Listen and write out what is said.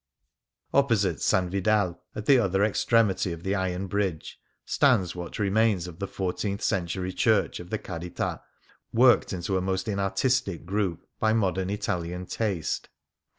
Opposite S. Vidal, at the other extremity of the iron bridge, stands what remains of the fourteenth century church of the Carita, worked into a most in artistic group by modern Italian taste, to form 36 f Stereo Cajtyyit^ht CA D ORO.